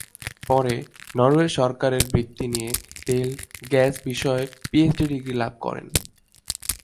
পরে নরওয়ে সরকারের বৃত্তি নিয়ে তেল-গ্যাস বিষয়ে পিএইচডি ডিগ্রি লাভ করেন।